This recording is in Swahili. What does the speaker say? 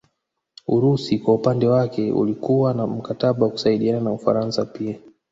Urusi kwa upande wake ulikuwa na mkataba wa kusaidiana na Ufaransa pia